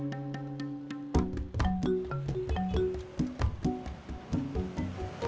nggak ada lagi nama patar